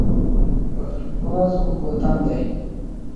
پښتونخوا زموږ وطن دی